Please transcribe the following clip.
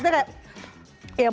ya udah deh apapun